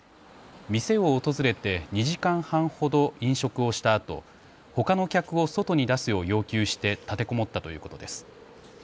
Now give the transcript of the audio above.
店を訪れて２時間半ほど飲食をしたあとほかの客を外に出すよう要求して立てこもったということです。